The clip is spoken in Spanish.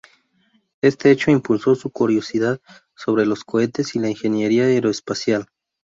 Este hecho impulsó su curiosidad sobre los cohetes y la ingeniería aeroespacial.